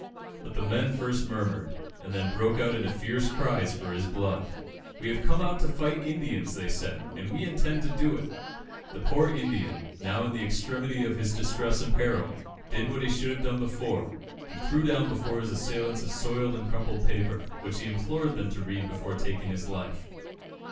But the men first murmured, and then broke out into fierce cries for his blood. "We have come out to fight Indians," they said, "and we intend to do it." The poor Indian, now in the extremity of his distress and peril, did what he should have done before he threw down before his assailants a soiled and crumpled paper, which he implored them to read before taking his life.